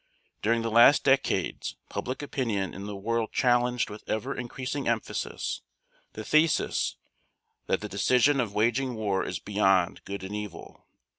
During the last decades public opinion in the world challenged with ever increasing emphasis the thesis that the decision of waging war is beyond good and evil.